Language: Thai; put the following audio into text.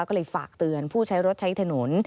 ก็เลยฝากเตือนผู้ใช้รถใช้ถนน